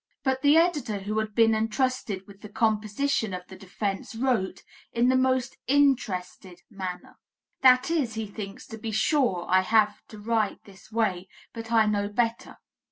But the editor who had been entrusted with the composition of the defence, wrote, "in the most interested manner." That is, he thinks "To be sure, I have to write this way, but I know better."